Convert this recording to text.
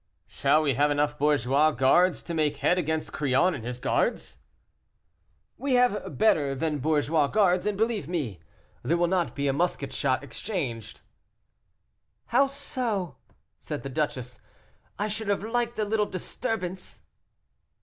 "Shall we have enough bourgeois guards to make head against Crillon and his guards?" "We have better than bourgeois guards; and, believe me, there will not be a musket shot exchanged." "How so?" said the duchess. "I should have liked a little disturbance."